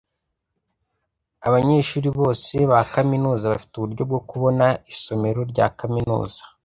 Abanyeshuri bose ba kaminuza bafite uburyo bwo kubona isomero rya kaminuza.